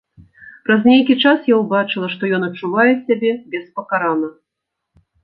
Праз нейкі час я ўбачыла, што ён адчувае сябе беспакарана.